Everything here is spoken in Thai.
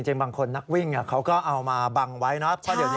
จริงบางคนนักวิ่งเขาก็เอามาบังไว้